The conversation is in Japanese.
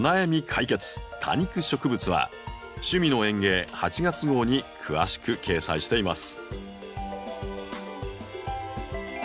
多肉植物」は「趣味の園芸」８月号に詳しく掲載しています。